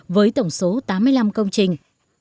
với tổng số tám mươi năm công trình